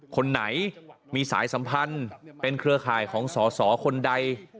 คนไหนมีสายสัมพันธ์เป็นเครือข่ายของสอสอคนใด